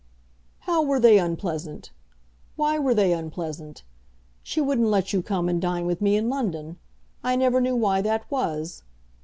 "How were they unpleasant? Why were they unpleasant? She wouldn't let you come and dine with me in London. I never knew why that was.